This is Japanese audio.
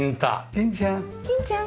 猫ちゃん。